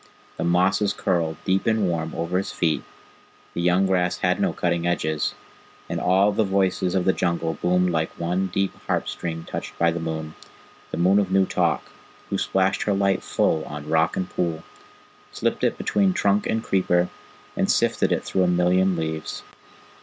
The mosses curled deep and warm over his feet, the young grass had no cutting edges, and all the voices of the Jungle boomed like one deep harp string touched by the moon the Moon of New Talk, who splashed her light full on rock and pool, slipped it between trunk and creeper, and sifted it through a million leaves.